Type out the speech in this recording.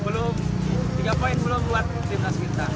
mungkin ya tiga poin belum buat timnas kita